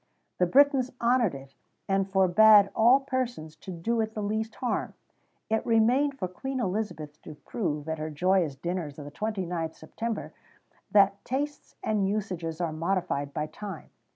[XVII 56] The Britons honoured it, and forbad all persons to do it the least harm.[XVII 57] It remained for Queen Elizabeth to prove, at her joyous dinners of the 29th September, that tastes and usages are modified by time.